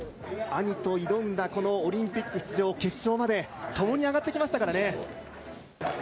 兄と挑んだこのオリンピック出場、決勝まで共に上がってきましたからね。